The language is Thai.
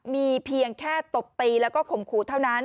มีเพียงแค่ตบตีแล้วก็ข่มขู่เท่านั้น